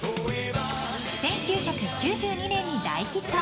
１９９２年に大ヒット！